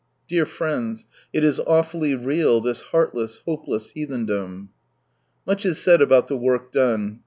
Dear friends, it is awfully real this heartless, hopeless, heathendom. Much is said about the work done.